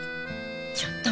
ちょっと！